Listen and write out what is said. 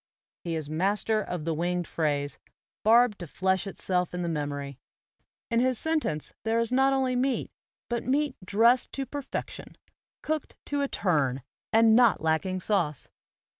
He is master of the winged phrase, barbed to flesh itself in the memory. In his sentence there is not only meat, but meat dressed to perfection, cooked to a turn, and not lacking sauce.